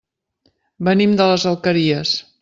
Venim de les Alqueries.